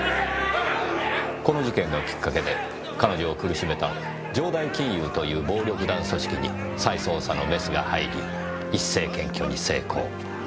この事件がきっかけで彼女を苦しめた城代金融という暴力団組織に再捜査のメスが入り一斉検挙に成功。